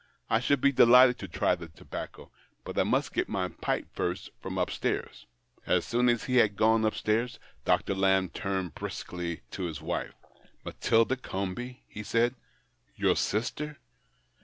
"I should be delighted to try the tobacco, but I must get my pipe first from upstairs." As soon as he had gone upstairs, Doctor Lamb turned bruscjuely to his wife. "Matilda Comby ?" he said. "Your sister